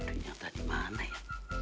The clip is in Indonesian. banyak tadi mana ya